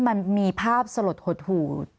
มันมีภาพสลดหดหูด